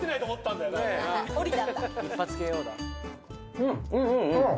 うんうんうんうん。